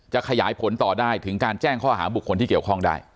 ขยายผลต่อได้ถึงการแจ้งข้อหาบุคคลที่เกี่ยวข้องได้